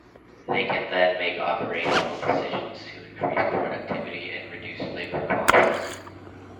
They can then make operational decisions to increase productivity and reduce labor costs.